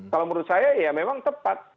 kalau menurut saya ya memang tepat